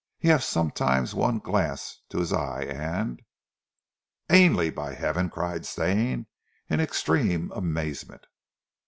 He haf sometimes one glass to hees eye, an " "Ainley, by Heaven!" cried Stane in extreme amazement.